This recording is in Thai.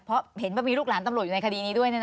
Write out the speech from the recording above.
เพราะเห็นว่ามีลูกหลานตำรวจอยู่ในคดีนี้ด้วย